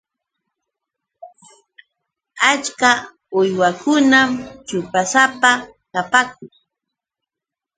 Achka uywakunam ćhupasapa kapaakun.